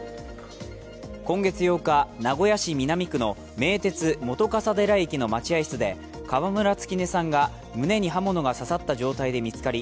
今月８日、名古屋市南区の名鉄・本笠寺駅の待合室で川村月音さんが胸に刃物が刺さった状態で見つかり